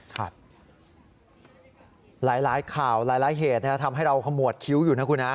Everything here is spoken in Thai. ครับหลายข่าวหลายเหตุทำให้เราขมวดคิ้วอยู่นะคุณฮะ